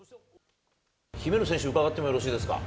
姫野選手に伺ってもよろしいですか。